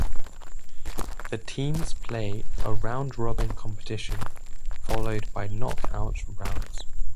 The teams play a round-robin competition followed by knock-out rounds.